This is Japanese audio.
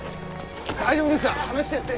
大丈夫ですから離してやって。